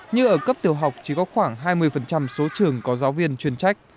như ở cấp tiểu học chỉ có khoảng hai mươi số trường có giáo viên chuyên trách